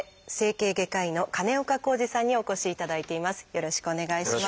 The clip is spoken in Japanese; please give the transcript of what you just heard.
よろしくお願いします。